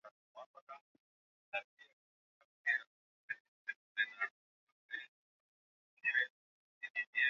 huwa tunapata ndiyo na kwa kufanya nini